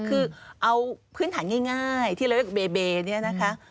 คือเอาพื้นฐานง่ายที่เรียกว่าเบเบนี่นะคะ